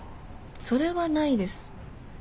それはないです。